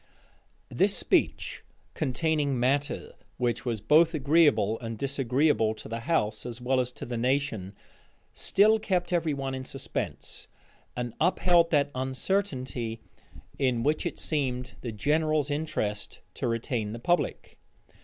This speech, containing matter which was both agreeable and disagreeable to the house, as well as to the nation, still kept every one in suspense, and upheld that uncertainty in which it seemed the general's interest to retain the public.